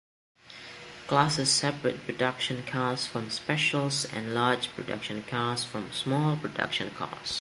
Classes separate production cars from specials and large production cars from small production cars.